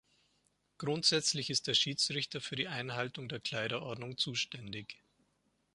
Grundsätzlich ist der Schiedsrichter für die Einhaltung der Kleiderordnung zuständig.